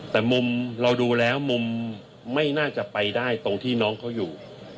แต่มุมเราดูแล้วมุมไม่น่าจะไปได้ตรงที่น้องเขาอยู่